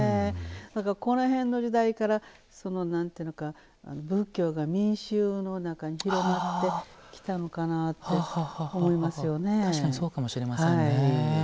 この辺の時代から仏教が民衆の中に広まってきたのかなって確かにそうかもしれませんね。